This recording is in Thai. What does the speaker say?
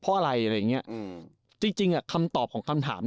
พออะไรเราได้กินจะจริงคำตอบของคำถาม